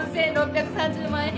４６３０万円